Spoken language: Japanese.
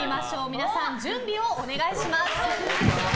皆さん、準備をお願いします。